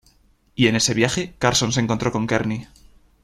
Y en ese viaje Carson se encontró con Kearny.